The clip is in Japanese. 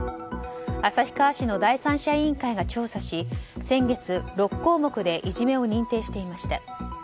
旭川市の第三者委員会が調査し先月、６項目でいじめを認定していました。